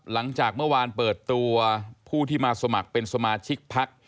หลังจากเมื่อวานเปิดตัวผู้ที่มาสมัครเป็นสมาชิกพัก